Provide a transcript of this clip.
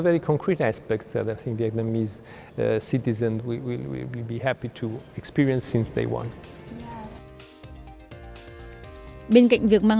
trong tương lai của cuộc sống ngày hôm